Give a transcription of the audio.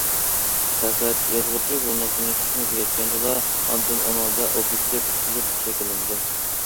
پەقەت يازغۇچى بۇ نۇقتىنى چۈشىنىپ يەتكەندىلا ئاندىن ئۇنىڭدا ئوبيېكتىپ ئۇسلۇب شەكىللىنىدۇ.